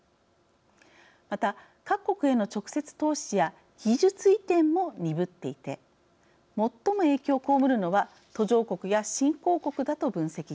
また各国への直接投資や技術移転も鈍っていて最も影響を被るのは途上国や新興国だと分析しています。